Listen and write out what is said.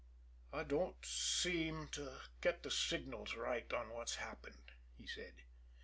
"I don't quite seem to get the signals right on what's happened," he said.